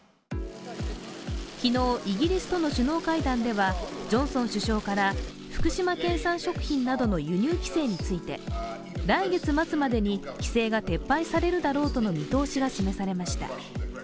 昨日、イギリスとの首脳会談ではジョンソン首相から福島県産食品などの輸入規制について来月末までに規制が撤廃されるだろうとの見通しが示されました。